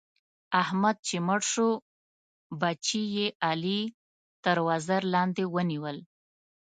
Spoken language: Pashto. احمد چې مړ شو؛ بچي يې علي تر وزر باندې ونيول.